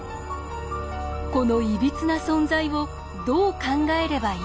このいびつな存在をどう考えればいいのか。